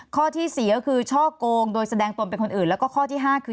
ข้อที่๔ก็คือช่อกงโดยแสดงตนเป็นคนอื่นแล้วก็ข้อที่๕คือ